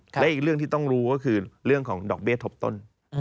และอีกเรื่องที่ต้องรู้ก็คือเรื่องของดอกเบี้ยทบต้น